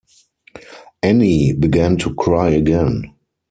Annie began to cry again.